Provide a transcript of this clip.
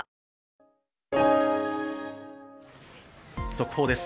速報です。